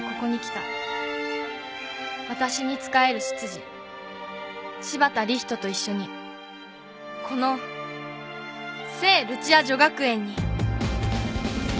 わたしに仕える執事柴田理人と一緒にこの聖ルチア女学園に］